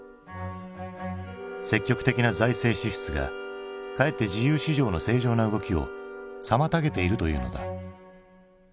積極的な財政支出がかえって自由市場の正常な動きを妨げているというのだ。